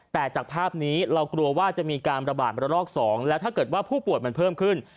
แต่จากภาพนี้เรากลัวว่าจะมีการระบาดระลอก๒แล้วถ้าเกิดว่าผู้ป่วยมันเพิ่มขึ้น